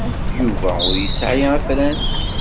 Yuba ur yesɛi afran.